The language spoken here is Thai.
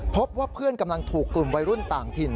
พบว่าเพื่อนกำลังถูกกลุ่มวัยรุ่นต่างถิ่น